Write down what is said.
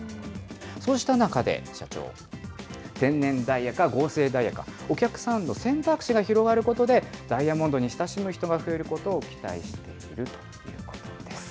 そうした中で、社長、天然ダイヤか合成ダイヤか、お客様の選択肢が広がることで、ダイヤモンドに親しむ人が増えることを期待しているということです。